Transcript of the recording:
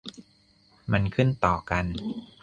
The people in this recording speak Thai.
มันขึ้นต่อกัน